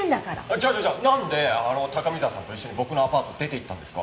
じゃあじゃあじゃあなんで高見沢さんと一緒に僕のアパートを出ていったんですか？